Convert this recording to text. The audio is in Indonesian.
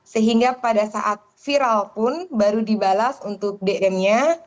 sehingga pada saat viral pun baru dibalas untuk dm nya